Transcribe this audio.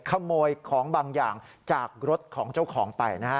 ขโมยของบางอย่างจากรถของเจ้าของไปนะฮะ